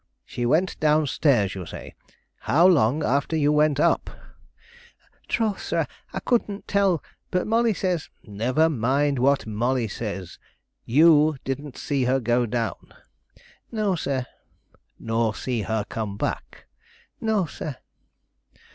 She went down stairs, you say. How long after you went up?" "Troth, sir, I couldn't tell; but Molly says " "Never mind what Molly says. You didn't see her go down?" "No, sir." "Nor see her come back?" "No, sir."